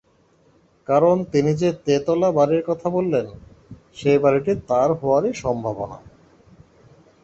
কারণ তিনি যে-তেতলা বাড়ির কথা বললেন, সেই বাড়িটি তাঁর হওয়ারই সম্ভাবনা।